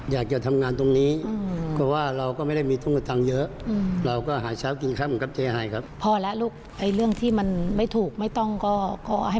ถ้าขึ้นสารขึ้นอะไรก็บอกจริงว่าเงินทองไม่ค่อยมี